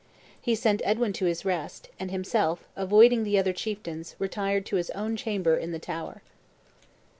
He sent Edwin to his rest; and himself, avoiding the other chieftains, retired to his own chamber in the tower.